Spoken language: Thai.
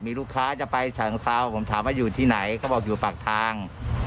มีลูกค้าจะไปฉะเชิงเซาผมถามว่าอยู่ที่ไหนเขาบอกอยู่ปากทาง